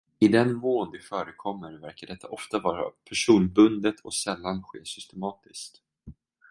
I den mån det förekommer, verkar detta ofta vara personbundet och sällan ske systematiskt.